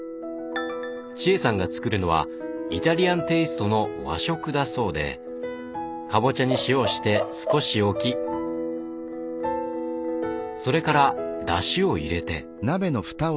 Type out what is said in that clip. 千恵さんが作るのはイタリアンテイストの和食だそうでかぼちゃに塩をして少し置きそれからだしを入れて。